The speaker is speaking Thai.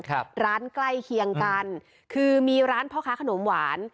ครับร้านใกล้เคียงกันคือมีร้านพ่อค้าขนมหวาน